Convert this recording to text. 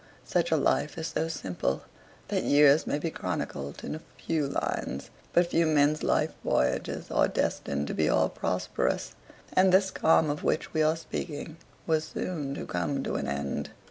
Such a life is so simple that years may be chronicled in a few lines. But few men's life voyages are destined to be all prosperous; and this calm of which we are speaking was soon to come to an end.